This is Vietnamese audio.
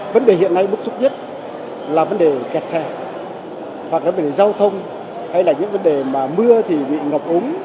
vấn đề hiện nay mức xúc nhất là vấn đề kẹt xe hoặc là vấn đề giao thông hay là những vấn đề mà mưa thì bị ngọc ống